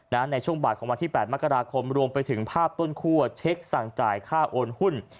ในช่วงบ่ายของวันที่๘มกราคมรวมไปถึงภาพต้นคั่วเช็คสั่งจ่ายค่าโอนหุ้น